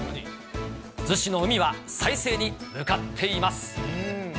逗子の海は再生に向かっています。